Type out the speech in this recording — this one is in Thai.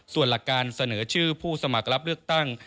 ส่วนหลักการเสนอชื่อผู้สมัครรับเลือกตั้ง